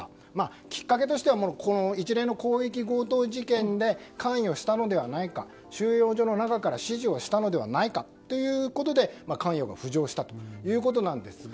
きっかけとしては一連の広域強盗事件で関与したのではないか収容所の中から指示をしたのではないかということで関与が浮上したということなんですが。